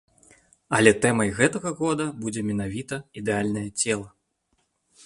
Але тэмай гэтага года будзе менавіта ідэальнае цела.